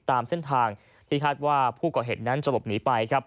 ตามเส้นทางที่คาดว่าผู้ก่อเหตุนั้นจะหลบหนีไปครับ